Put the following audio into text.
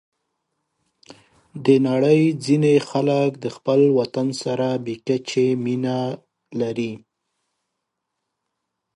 د نړۍ ځینې خلک د خپل وطن سره بې کچې مینه لري.